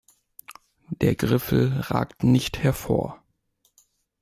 Der Griffel ragt nicht hervor.